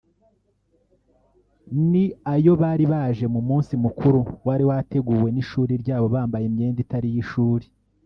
ni ayo bari baje mu munsi mukuru wari wateguwe n’ishuli ryabo bambaye imyenda itari iy’ishuli